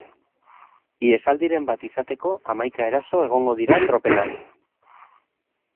Ihesaldiren bat izateko hamaika eraso egongo dira tropelan.